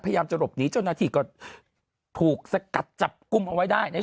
พยายามจะหลบหนีเจ้าหน้าที่ว่ากดจับปุ้มออกไว้ได้